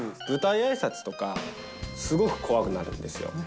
舞台あいさつとか、すごく怖くなるんですよ。